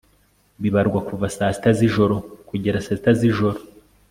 bibarwa kuva saa sita z ijoro kugeza saa sita z ijoro